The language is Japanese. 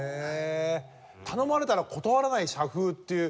頼まれたら断らない社風っていう。